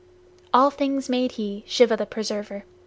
All things made he Shiva the Preserver.